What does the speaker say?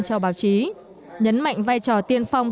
cho báo chí nhấn mạnh vai trò tiên phong